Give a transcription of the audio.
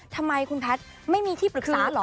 ทำไมคุณแพทย์ไม่มีที่ปรึกษาเหรอ